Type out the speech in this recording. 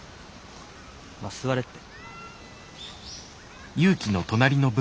まあ座れって。